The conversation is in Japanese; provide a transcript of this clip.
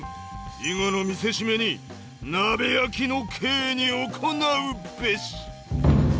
以後の見せしめに鍋焼きの刑に行うべし！」。